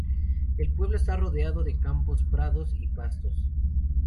El pueblo está rodeado de campos, prados y pastos.